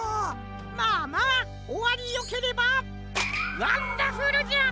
まあまあおわりよければワンダフルじゃ！